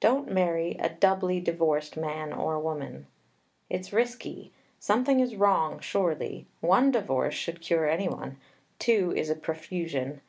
Don't marry a doubly divorced man or woman: it's risky. Something is wrong surely. One divorce should cure any one. Two is a profusion.